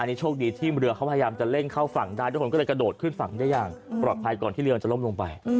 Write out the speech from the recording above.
นี่โชคดีที่เรือเขาพยายามจะเร่งเข้าฝั่งได้ทุกคนก็เลยกระโดดขึ้นฝั่งได้อย่างปลอดภัยก่อนที่เรือจะล้มลงไป